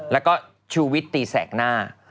แล้วก็ชูวิตตีแสกหน้า